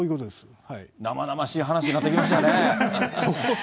生々しい話になってきましたね。